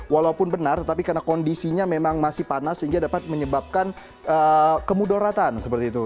walaupun benar tetapi karena kondisinya memang masih panas sehingga dapat menyebabkan kemudoratan seperti itu